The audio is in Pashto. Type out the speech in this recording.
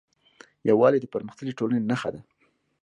یووالی د پرمختللې ټولنې نښه ده.